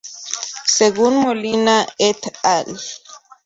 Según Molina et al.